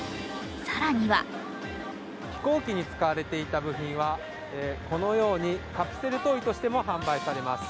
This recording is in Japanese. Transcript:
更には飛行機に使われていた部品はこのようにカプセルトイとしても販売されます。